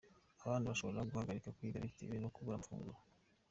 Abana bashobora guhagarika kwiga bitewe no kubura amafunguro